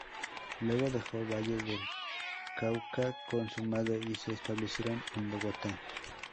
Luego dejó Valle del Cauca con su madre, y se establecieron en Bogotá.